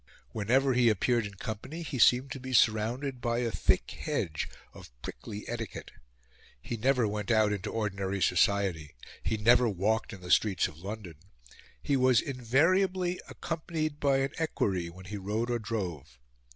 Whenever he appeared in company, he seemed to be surrounded by a thick hedge of prickly etiquette. He never went out into ordinary society; he never walked in the streets of London; he was invariably accompanied by an equerry when he rode or drove.